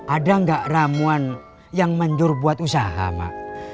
ada gak ramuan yang manjur buat usaha mak